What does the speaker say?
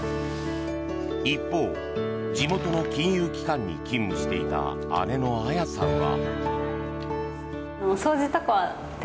一方地元の金融機関に勤務していた姉の彩さんは。